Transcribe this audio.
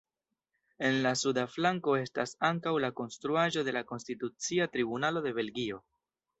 En la suda flanko estas ankaŭ la konstruaĵo de la Konstitucia Tribunalo de Belgio.